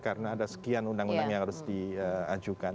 karena ada sekian undang undang yang harus diajukan